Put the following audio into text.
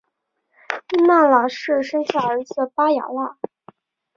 纳喇氏生下儿子巴雅喇。